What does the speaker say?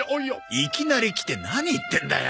いきなり来て何言ってんだよ。